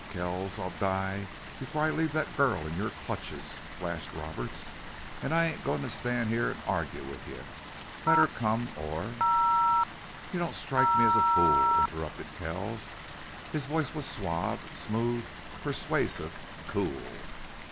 "Kells I'll die before I leave that girl in your clutches," flashed Roberts. "An' I ain't a goin' to stand here an' argue with you. Let her come or " "You don't strike me as a fool," interrupted Kells. His voice was suave, smooth, persuasive, cool.